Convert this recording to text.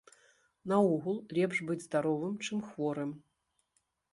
Наогул, лепш быць здаровым, чым хворым.